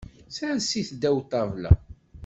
Sers-it ddaw ṭṭabla.